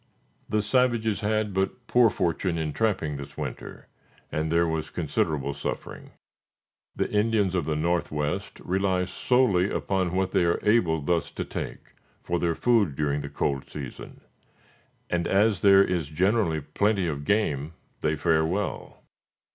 The savages had but poor fortune in trapping this winter, and there was considerable suffering. The Indians of the northwest rely solely upon what they are able thus to take, for their food during the cold season; and, as there is generally plenty of game, they fare well.